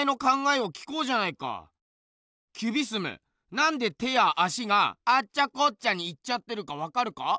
なんで手や足がアッチャコッチャにいっちゃってるかわかるか？